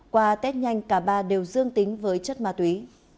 qua tết nhanh cả ba đều dương tính với chất ma túy